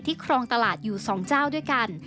ครองตลาดอยู่๒เจ้าด้วยกัน